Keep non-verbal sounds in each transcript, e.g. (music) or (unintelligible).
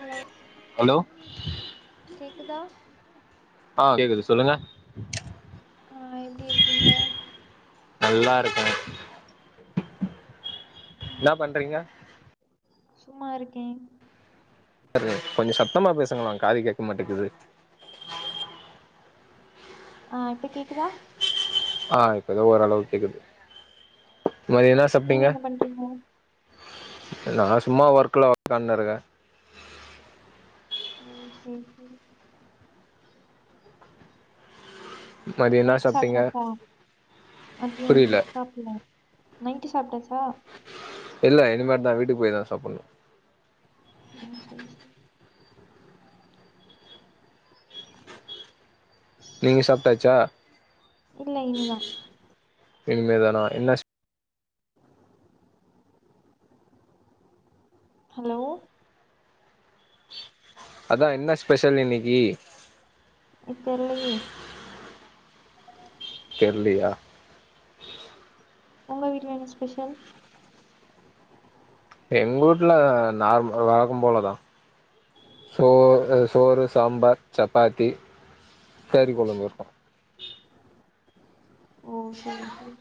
Hello hello கேக்குதா ஆ கேக்குது சொல்லுங்க ஆ எப்டி இருக்கீங்க நல்லா இருக்கே இன்னா பண்றீங்க சும்மா இருக்கே செரிங்க கொஞ்சோ சத்தமா பேசுங்களே காது கேக்க மாட்டேங்குது ஆ இப்ப கேக்குதா ஆ இப்ப எதோ ஓரளவு கேக்குது மதியோ இன்னா நீங்க சாப்ட்டீங்க என்ன பண்றீங்க நா சும்மா ஒர்க்குல உக்காந்துருக்கே ஓ சேர் சேரி மதியோ என்ன நைட்டு சாப்ட்டீங்க சாப்டாச்சா மதியோ புரியல சாப்பல்ல நைட்டு சாப்ட்டாச்சா இல்ல இனிமேட் தா வீட்டுக்கு போய் தா சாப்பணு ஓ சேர் சேரி நீங்க சாப்ட்டாச்சா இல்ல இனி தா இனிமேதானா என்ன ஸ் ஹலோ அதா என்ன ஸ்பெஷல் இன்னக்கி அ தெர்லயே தெர்லயா ஒங்க வீட்ல என்ன ஸ்பெஷல் எங்வூட்ல நார்ம வழக்கம் போலதா சோ அ சோறு சாம்பார் சப்பாத்தி கறி கொழம்பு இருக்கு ஓ சேரி சேர்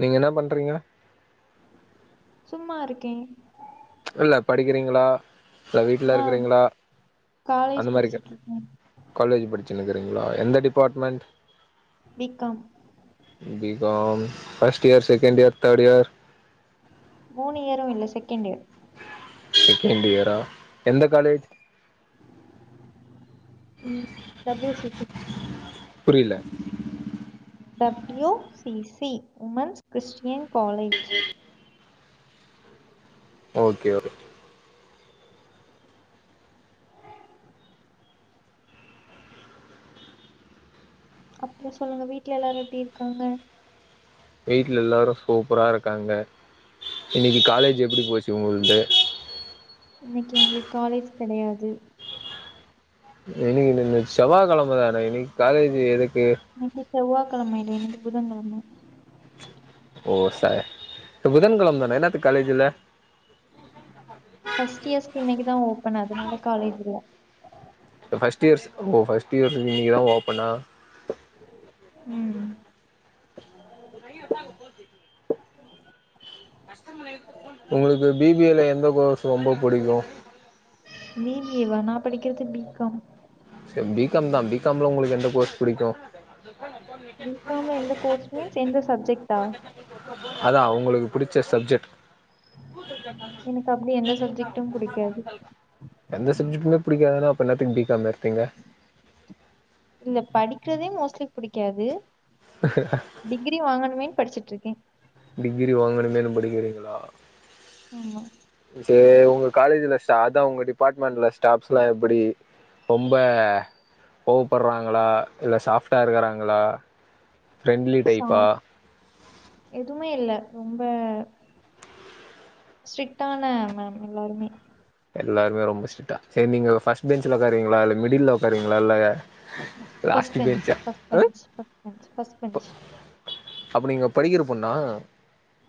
நீங்க என்னா பண்றீங்க சும்மா இருக்கே இல்ல படிக்கிறீங்களா இல்ல வீட்ல ஆ இருக்கறீங்களா காலேஜ் அந்த மாரி கேட் படிச்சிட்ருக்கே காலேஜ் படுச்சுன்னுருக்கிறீங்களா எந்த department B Com B Com first year second year third year மூணு இயரு இல்ல செகேண்ட் இயர் செகேண்ட் இயரா எந்த காலேஜ் ம் டபுள்யூ சி சி புரில்ல W C C women's Christian college okay okay அப்பறோ சொல்லுங்க வீட்ல எல்லாரு எப்டி இருக்காங்க வீட்ல எல்லாரு சூப்பரா இருக்காங்க இன்னக்கி காலேஜ் எப்டி போச்சு உங்கள்து இன்னக்கி எங்களுக்கு காலேஜ் கெடயாது இன்னக்கி என்ன என்ன செவ்வா கெழம தான இன்னக்கி காலேஜ் இருக்கு இன்னக்கி செவ்வா கெழம இல்ல இன்னக்கி புதன் கெழம ஓ சா புதன் கெழம தான என்னாத்துக்கு காலேஜ் இல்ல ஃபர்ஸ்ட் இயர்ஸ்க்கு இன்னக்கு தா ஓபன் அதுனால காலேஜ் இல்ல ஃபர்ஸ்ட் இயர்ஸ் ஓ ஃபர்ஸ்ட் இயர்ஸ்க்கு இன்னக்கி தா ஓப்பனா ம் ஒங்களுக்கு பி பி எல எந்த கோர்ஸ் ரொம்ப புடிக்கு பி பி எ வா நா படிக்கறது பி காம் சேர் பி காம் தா பி காம் ல ஒங்களுக்கு எந்த கோர்ஸ் புடிக்கு பி காம் ல எந்த கோர்ஸ் மீன்ஸ் எந்த சப்ஜெக்டா அதா உங்களுக்கு பிடிச்ச சப்ஜெக்ட் எனக்கு அப்டி எந்த சப்ஜெக்ட்டும் புடிக்காது எந்த சப்ஜெக்டுமே புடிக்காதுனா அப்போ என்னாத்துக்கு பி காம் எடுத்தீங்க இதுலா படிக்றதே மோஸ்ட்லி புடிக்காது டிகிரி வாங்கணுமே படிச்சிட்டு இருக்கே டிகிரி வாங்கணுமேன்னு படிக்கிறீங்ளா ஆமா சேரி உங்க காலேஜ்ல சா தா உங்க டிபார்ட்மெண்ட்ல ஸ்டாப்ஸ்ல்லா எப்டி ரொம்ப கோவப்படுறாங்ளா இல்ல சாஃப்ட்டா இருக்கிறாங்களா ஃப்ரெண்ட்லி டைப்பா எதுமே இல்ல ரொம்ப ஸ்ட்ரிக்டான மேம் எல்லாருமே எல்லாருமே ரொம்ப ஸ்டிக்டா செரி நீங்க ஃபஸ்ட்டு பெஞ்சுல உக்காருவீங்ளா இல்ல மிடில்ல உக்காருவீங்ளா இல்ல first bench first bench first bench first bench அப்ப நீங்க படிக்கிறப் பொண்ணா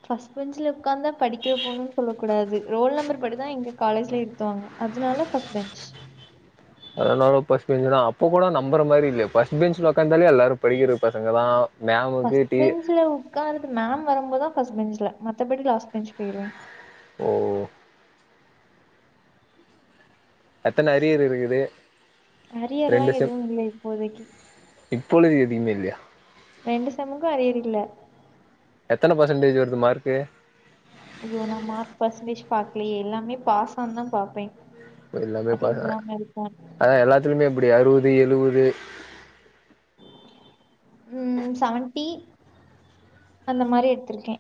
ஃபர்ஸ்ட் பெஞ்ச்ல உக்காந்தா படிக்கிற பொண்ணுண்ணு சொல்லக் கூடாது ரோல் நம்பர் படிதா எங்க காலேஜ்ல இருத்துவாங்க அதனால ஃபர்ஸ்ட் பெஞ்ச் அதனால ஃபர்ஸ்ட் பெஞ்ச்சுனா அப்ப கூட நம்பற மாரி இல்லையே ஃபர்ஸ்ட் பெஞ்ச்ல உக்காந்தாலே எல்லாரு படிக்கிற பசங்க தா ஃபர்ஸ்ட் பெஞ்ச்ல உக்காரது மேம் வரும்போது தா ஃபர்ஸ்ட் பெஞ்ச்ல மத்தபடி லாஸ்ட் பெஞ்ச் போயிருவே ஓ எத்தன அரியர் இருக்குது அரியர்ல்லா ரெண்டு செம் எதுவு இல்ல இப்போதைக்கி இப்பொழுது எதுமே இல்லையா ரெண்டு செம்முக்கு அரியர் இல்ல எத்தன பர்ஸன்ட்டேஜ் வருது மார்க்கு அய்யோ நா மார்க் பர்சன்டேஜ் பாக்லையே எல்லாமே பாஸ்சாந்தா பாப்பே அரியர் இல்லாம இருக்கானு அதா எல்லாத்துலயுமே எப்டி அறுவது எழுவது ம் சவன்ட்டி அந்த மாரி எடுத்திருக்கே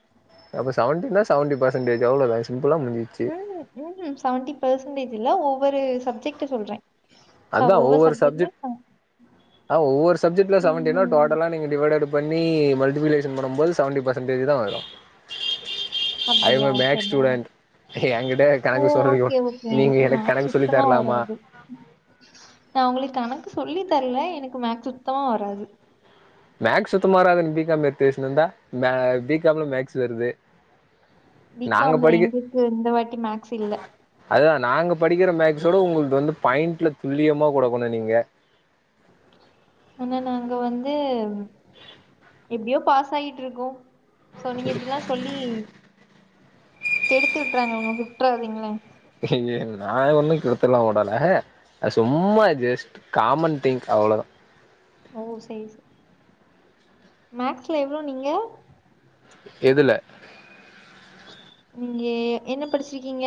அப்ப சவன்டின்னா சவன்டி பெர்சன்டேஜ் அவ்ளதா சிம்பிளா முஞ்சு ம் ம் சவன்டி பெர்சன்டேஜ் இல்ல ஒவ்வொரு சப்ஜெக்ட்ட சொல்றே ச அதா ஒவ்வொரு சப்ஜெக்ட்லயு சப்ஜெக்ட் ம் அதா ஒவ்வொரு சப்ஜெக்ட்ல ம் சவன்டினா ம் டோட்டலா நீங்க டிவைடட் பண்ணி மல்டிபிலேஷன் பண்ணும்போது சவன்டி பர்சன்டேஜ் தா வரு ஐ எம் அப்படியா எ சரி மேக்ஸ் நான்- ஸ்டூடெண்ட் என்கிட்ட ஓ கணக்கு ஓகே ஓகே (unintelligible) நீங்க எனக்கு கணக்கு சொல்லி தர்லாமா நா உங்களுக்கு கணக்கு சொல்லி தர்ல எனக்கு மேக்ஸ் சுத்தமா வராது மேக்ஸ் சுத்தமாவராதுன்னு பி காம் எத்துவச்சினுந்தா ப பி காம்ல மேக்ஸ் வருது பி நாங்க காம்ல எங்களுக்கு இந்த வாட்டி மேக்ஸ் இல்ல அதுதா நாங்க படிக்கிற மேக்ஸோட உங்களுக்கு வந்து பாயிண்ட்ல துல்லியமா கொடுக்கணு நீங்க ஆனா நாங்க வந்து எப்டியோ பாஸ் ஆகிட்டுருக்கோ சோ நீங்க இப்டிலா சொல்லி கெடுத்து விட்றாங்க உங்க விட்றாதீங்ளே ஏ நா எ ஒன்னும் கெடுத்துலாம் விடல அது சும்மா ஜஸ்ட் காமன் திங்க் அவ்வளோதா ஓ சேரி மேக்ஸ்ல எவ்வளோ நீங்க எதுல நீங்கே என்ன படிச்சிருக்கீங்க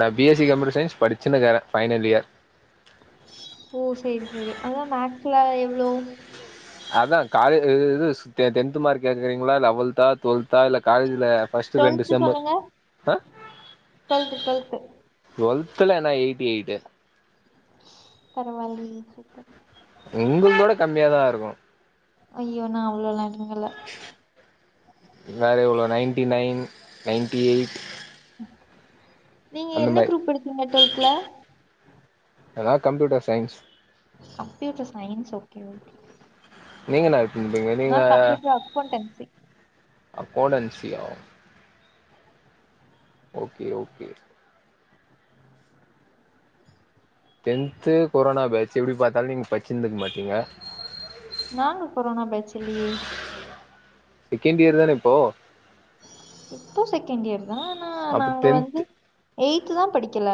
நா பிஎஸ்சி கம்யூட்டர் சைன்ஸ் படிச்சுனுக்குறன் ஃபைனல் இயர் ஓ சேரி சேரி அதான் மேக்ஸ்ல எவ்ளோ அதான் காலே இது இது ட டென்த் மார்க் கேட்கறீங்களா லெவல்தா டுவெல்த்தா இல்ல காலேஜில் ஃபஸ்ட் ரெண்டு டுவெல்த்து செம்மு சொல்லுங்க ஆ டுவெல்த்து டுவெல்த்து டுவெல்த்துல நா எயிட்டி எயிட் பரவால்லயே சூப்பர் உங்களுடத கூட கம்மியாதா இருக்கும் ஐயோ நா அவ்ளோ எல்லாம் எடுத்ததில்ல வேற எவ்வளோ நைன்டி நைன் நைன்டி எயிட் நீங்க அந்த என்ன மாரி குரூப் எடுத்தீங்க டுவெல்த்ல அதான் computer science computer science okay நீங்க என்ன எடுத்துருந்தீங்க நா நீங்க கம்ப்பயூட்டர் அக்கௌண்டன்சி அக்கோடன்சியா ஓகே ஓகே டென்த்து கொரோனா பேச்சு எப்டி பாத்தாலும் நீங்க படிச்சிருக்க மாட்டீங்க நாங்க கொரோனா பேச்சுல்லையே செகண்ட் இயர் தான இப்போ இப்போ செகண்ட் இயர் தான் ஆனா அப்ப நாங்க வந்து டென்த் எய்த் தா படிக்கல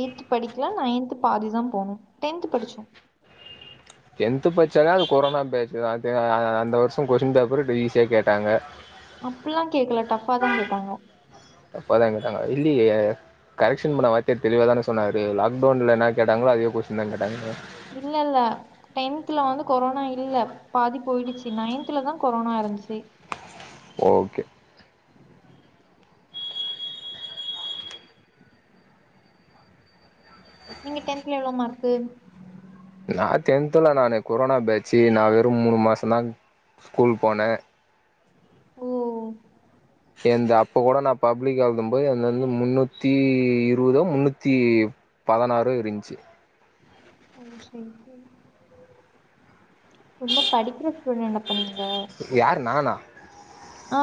எய்த் படிக்கல நைன்த் பாதி தா போனோம் டென்த் படிச்சோம் டென்த் படிச்சாலே அது கொரோனா பேச் அது அந்த வருஷம் கொஷின் பேப்பர் டே ஈஸியா கேட்டாங்க அப்புல்லாம் கேக்கல டஃப்பாதான் கேட்டாங்க டஃப்பாதா கேட்டாங்க இல்லியே கரெக்ஷன் பண்ண வாத்தியார் தெளிவ தான சொன்னாரு லாக்டவுன்ல என்ன கேட்டாங்களோ அதே கொஷ்டீன் தான் கேட்டாங்க இல்ல இல்ல டென்த்துல வந்து கொரோனா இல்ல பாதி போயிடுச்சு நையின்த்துல தான் கொரோனா இருந்துச்சு ஓகே நீங்கடென்த்துல எவ்ளோ மார்க் நா டென்த்லா நானு கொரோனா பேச்சு நா வெறு மூணு மாசம் தா ஸ்கூல் போனே ஓ எந்த அப்ப கூட நா பப்ளிக் எழுதும் போது எந்த வந்து முன்னூத்தி இருபதோ முன்னூத்தி பதினாறு இருந்ச்சு ஓ சரி ரொம்ப படிக்கிற ஸ்டூடெண்ட் அப்ப நீங்க யாரு நானா ஆ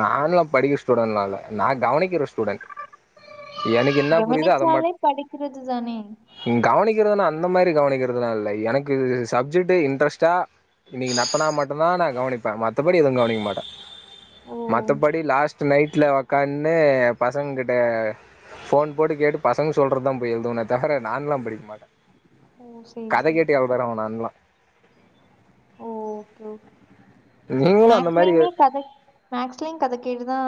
நான்லாம் படிக்கிற ஸ்டூடெண்ட்லாம் இல்ல நா கவனிக்கிற ஸ்டூடெண்ட் எனக்கு என்ன புரியுதோ அத மட் கவனிச்சாலே படிக்கிறது தானே கவனிக்கிறதுனா அந்த மாரி கவனிக்கிறதுனா இல்ல எனக்கு இது சப்ஜெக்ட் இன்ட்ரெஸ்ட்டா இன்னைக்கு நடத்னா மட்டும்தா நா கவனிப்பே மத்தபடி எதுவு கவனிக்க மாட்டே ஓ! மத்தபடி லாஸ்ட் நைட்ல ஒக்கான்னு பசங்க கிட்ட ஃபோன் போட்டு கேட்டு பசங்க சொல்றதுதா போய் எழுதுவேனே தவிர நான்லா படிக்கமாட்டே ஓ! சரி, கத சரி. கேட்டு எழுதுறவ நான்லா ஓகே ஓகே நீங்களு அந்த மாரி மேக்ஸ்லயுமே கதை மேக்ஸ்லயு கத கேட்டு தா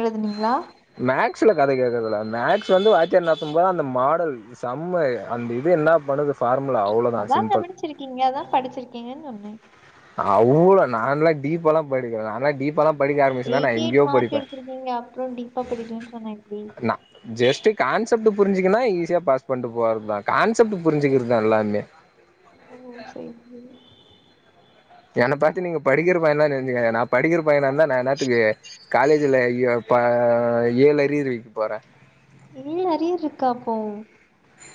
எழுதுனீங்ளா மேக்ஸ்ல கதை கேக்குறதுல்ல மேக்ஸ் வந்து வாத்தியார் நடத்தும் போது அந்த மாடல் சம்மு அந்த இது என்ன பண்ணுது ஃபார்முலா அவ்ளோதா சிம்பிள் பச்சிருக்கீங்க அதா படிச்சிருக்கீங்கன்னு சொன்னே அவ்ள நான்லா டீப்பா எல்லா படிக்கல நான்லா டீப்பால்லா எயிட்டி எயிட் மார்க் எடுத்திருக்கீங்க அப்றோ டீப்பா படிக்கலன்னு சொன்னா எப்டி நா ஜஸ்ட் கான்செப்ட் புரிஞ்சிக்குனா ஈஸியா பாஸ் பண்ணட்டு போறதுதா கான்செப்ட் புரிஞ்சுக்கிறதுதா எல்லாமே ஓ சரி சரி என்ன பாத்து நீங்க படிக்கிற பையன்லா நெனச்சுங்க நா படிக்கிற பையனாந்தா நா என்னாத்துக்கு காலேஜ்ல ப்ப ஏழு அறியர்வைக்க போறே ஏழு அறியர் இருக்காக்கோ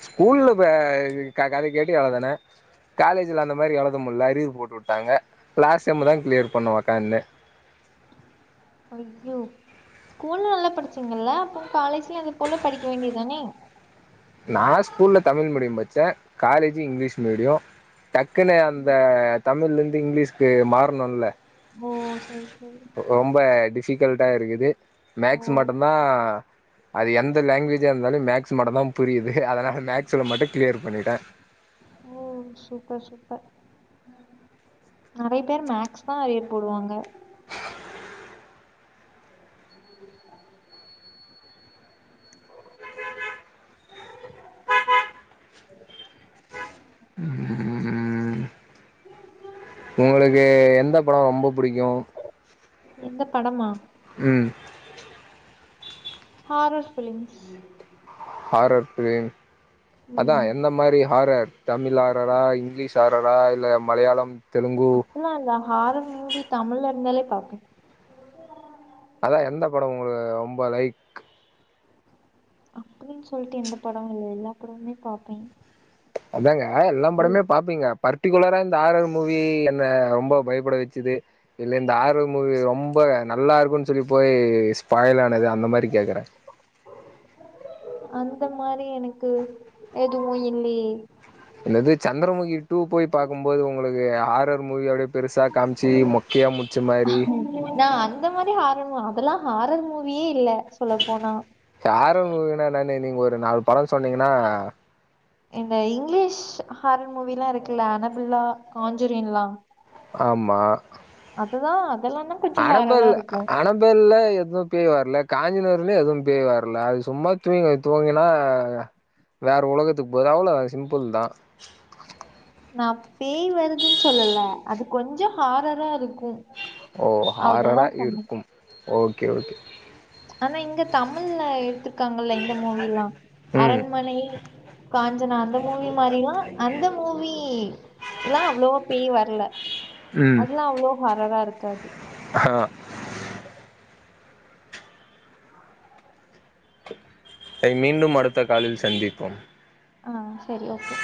ஸ்கூல்ல ப அ கத கேட்டு எழுதுன காலேஜ்ல அந்த மாரி எழுத முடியல அறியர் போட்டு விட்டாங்க லாஸ் செம் தா கிளியர் பண்ணுவே ஒக்காந்து ஐய்யோ ஸ்கூல்ல நல்லா படிச்சிங்கல்ல அப்ப காலேஜ்ல அது போல படிக்க வேண்டியதுதானே நா ஸ்கூல்ல தமிழ் மீடியம் படிச்சே காலேஜ்ல இங்லீஷ் மீடியோ டக்குன்னு அந்த தமிழ்ல இருந்து இங்கிலீஷ்கு மாறணுல ஓ சேரி சேரி ரொம்ப டிஃபிகல்ட்ட இருக்குது மேக்ஸ் ஓ! மட்டுந்தா அது எந்த லாங்வேஜா இருந்தாலு மேக்ஸ் மட்டும்தான் புரியுது அதனால மேக்ஸ்ல மட்டும் கிளியர் பண்ணிட்டே ஓ சூப்பர் சூப்பர் நெறைய பேர் மேக்ஸ் தா அறியர் போடுவாங்க (unintelligible) (unintelligible) உம்ம் உங்களுக்கு எந்த படோ ரொம்ப பிடிக்கும் எந்த படமா உம் ஹாரர் ஃபிலிம் (unintelligible) ஹாரர் ஃபிலிம் அதா ம் எந்த மாரி ஹாரர் தமிழ் ஹாரரா இங்கிலீஷ் ஹாரரா இல்ல மலையாளம் தெலுங்கு ல்லா இல்ல ஹாரர் மூவி தமிழ்ல இருந்தாலே பாப்பே அதா எந்த படம் உங்க ரொம்ப லைக் அப்டின்னு சொல்ட்டு எந்த படம் இல்ல எல்லா படமுமே பாப்பே அதாங்க எல்லா படமே பாப்பீங்க பர்டிகுலரா இந்த ஹாரர் மூவி என்ன ரொம்ப பயப்பட வச்சுது இல்ல இந்த ஆரர் மூவி ரொம்ப நல்லா இருக்குன்னு சொல்லி போய் ஸ்பாயில் ஆனது அந்த மாதிரி கேக்குறே அந்த மாரி எனக்கு எதுவு இல்லியே என்னது சந்திரமுகி டூ போய் பாக்கும்போது உங்களுக்கு ஆரர் மூவி அப்டே பெருசா காம்ச்சி மொக்கையாக முடுச்ச மாரி இதான் அந்த மாரி ஹாரர் அதெல்லாம் ஹாரர் மூவியே இல்ல சொல்ல போனா ஆரர் மூவினா என்னனு நீங்க ஒரு நாலு படோம் சொன்னீங்கன்னா இந்த இங்கிலீஷ் ஹாரர் மூவீல்லாம் இருக்குல்ல அனபில்லா காஞ்சூரிங்லா ஆமா அதுதா அதெல்லாண்ண அனம்பெல் அனம்பெல்ல எதோ பேய் வர்ல காஞ்சிநூர்லயே எதுவு பேய் வர்ல அது சும்மா தூங்க தூங்கினா வேற உலகத்துக்கு போது அவ்ளோ தான் சிம்புள் தான் நா பேய் வருதுன்னு சொல்லல அது கொஞ்சோம் ஹாரரா இருக்கும் ஓ ஹாரர அததான் சொன்னேன் இருக்கும் ஓகே ஓகே ஆனா இங்க தமிழ்ல எடுத்துருக்காங்கல இந்த மூவில்லாம் ம் அரண்மனை காஞ்சனா அந்த மூவி மாரிலாம் அந்த மூவி இல்லாம் அவ்ளோவ பேய் வர்ல ம் அதெல்லாம் அவ்ளோ ஹரரா இருக்காது ஆ மீண்டும் அடுத்த காலில் சந்திப்போம் ஆ செரி ஓகே